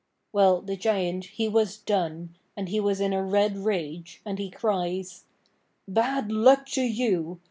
Well the Giant, he was done, and he was in a red rage, and he cries: 'Bad luck to you!